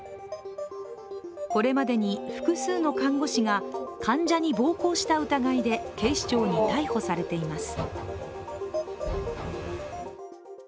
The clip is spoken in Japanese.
これまでに複数の看護師が患者に暴行した疑いで警視庁に逮捕されています。